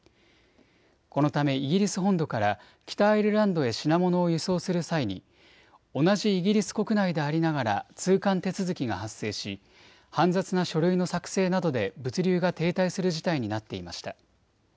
このためイギリス本土から北アイルランドへ品物を輸送する際に同じイギリス国内でありながら通関手続きが発生し煩雑な書類の作成などで物流が停滞する事態になっていました。